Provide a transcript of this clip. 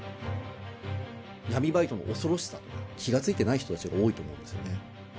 闇バイトの恐ろしさとか、気が付いてない人たち多いと思うんですよね。